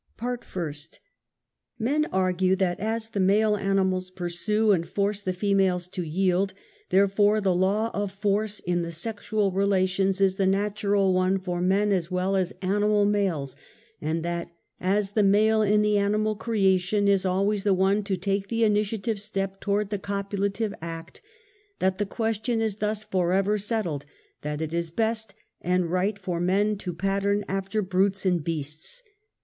Part First. Men argue that as the male animals pursue and force the females to yield, therefore the law of force in the sexual relations is the natural one for men as well as animal males; and that "as the male in the animal creation is always the one to take the initia tive step towards the copulative act," that the ques tion is thus forever settled that it is best and riorht for men to pattern after brutes and beasts.